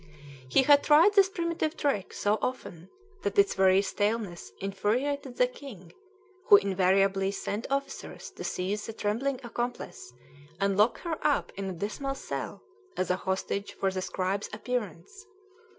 He had tried this primitive trick so often that its very staleness infuriated the king, who invariably sent officers to seize the trembling accomplice and lock her up in a dismal cell as a hostage for the scribe's appearance.